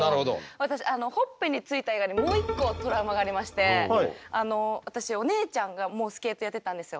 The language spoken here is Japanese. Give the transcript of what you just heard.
私ほっぺについた以外にもう一個トラウマがありまして私お姉ちゃんもスケートやってたんですよ。